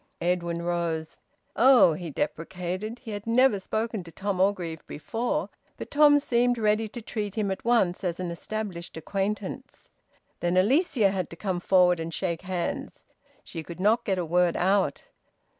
Edwin rose. "Oh!" he deprecated. He had never spoken to Tom Orgreave before, but Tom seemed ready to treat him at once as an established acquaintance. Then Alicia had to come forward and shake hands. She could not get a word out.